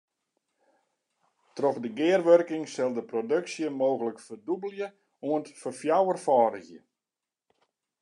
Troch de gearwurking sil de produksje mooglik ferdûbelje oant ferfjouwerfâldigje.